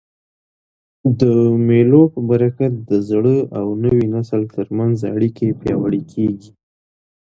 د مېلو په برکت د زاړه او نوي نسل تر منځ اړیکي پیاوړي کېږي.